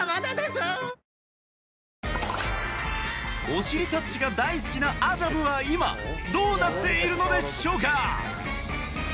お尻タッチが大好きなアジャブは今どうなっているのでしょうか？